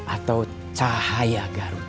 atau cahaya garut